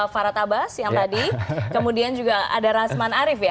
farad abbas yang tadi kemudian juga ada rasman arief ya